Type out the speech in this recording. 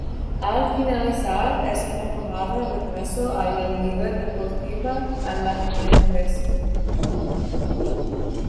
Al finalizar esa temporada regresó a la Liga Deportiva Alajuelense.